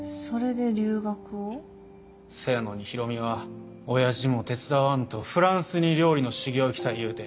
そやのに大海はおやじも手伝わんとフランスに料理の修業行きたい言うて。